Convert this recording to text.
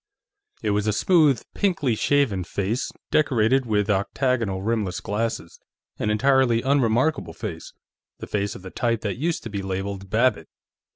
It was a smooth, pinkly shaven face, decorated with octagonal rimless glasses; an entirely unremarkable face; the face of the type that used to be labeled "Babbitt."